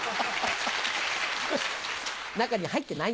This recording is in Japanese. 中に入ってない？